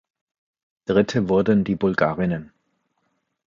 Dritte wurden die Bulgarinnen.